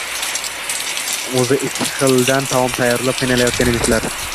Oʻzi ikki xildan taom tayyorlab, qiynalayotgan emishlar